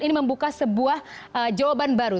ini membuka sebuah jawaban baru